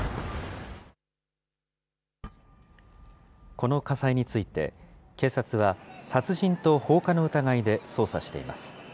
この火災について、警察は殺人と放火の疑いで捜査しています。